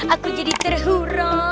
aku jadi terhurang